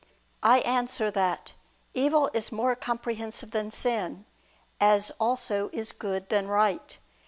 I answer that, Evil is more comprehensive than sin, as also is good than right.